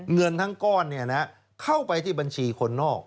เงินทั้งก้อนเข้าไปที่บัญชีคนนอก